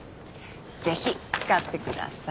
ぜひ使ってください。